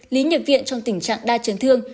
lý nhập viện trong tình trạng đa chấn thương